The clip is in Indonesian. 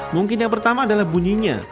mungkin yang pertama adalah bunyinya